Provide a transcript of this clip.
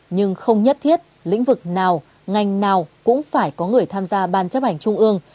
nhưng không nhất thiết lĩnh vực nào ngành nào cũng phải có người tham gia ban chấp hành trung ương